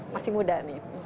masih muda nih